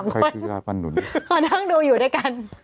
ขอท่านดูอยู่ด้วยกัน